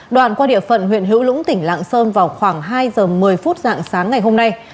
đoạn qua địa phận huyện hữu lũng tỉnh lạng sơn vào khoảng hai giờ một mươi phút dạng sáng ngày hôm nay